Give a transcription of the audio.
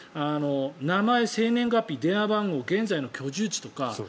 名前、生年月日、電話番号現在の居住地とか。